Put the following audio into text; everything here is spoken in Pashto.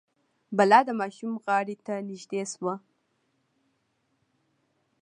بلا د ماشوم غاړې ته نژدې شو.